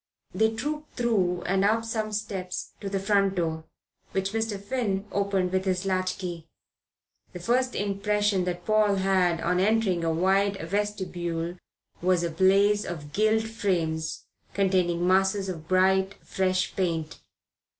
They trooped through and up some steps to the front door, which Mr. Finn opened with his latchkey. The first impression that Paul had on entering a wide vestibule was a blaze of gilt frames containing masses of bright, fresh paint.